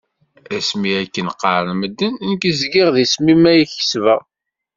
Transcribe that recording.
Asmi akken qqaren medden, nekk zgiɣ d isem-im ay kettbeɣ.